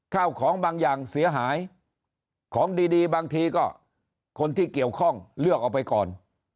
ข้าวของบางอย่างเสียหายของดีบางทีก็คนที่เกี่ยวข้องเลือกออกไปก่อน